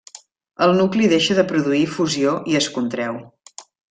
El nucli deixa de produir fusió i es contreu.